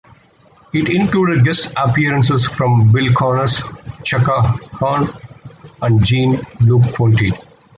It included guest appearances from Bill Connors, Chaka Khan and Jean-Luc Ponty.